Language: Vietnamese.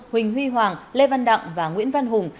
huỳnh huy hoàng lê văn đặng và nguyễn văn hùng